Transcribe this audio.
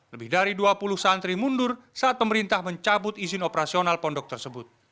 lebih dari dua puluh santri mundur saat pemerintah mencabut izin operasional pondok tersebut